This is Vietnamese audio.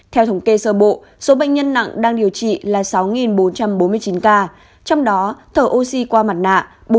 theo thống kê sơ bộ số bệnh nhân nặng đang điều trị là sáu bốn trăm bốn mươi chín ca trong đó thở oxy qua mặt nạ bốn một trăm năm mươi bảy